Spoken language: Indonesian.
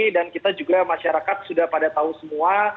dan kita juga masyarakat sudah pada tahu semua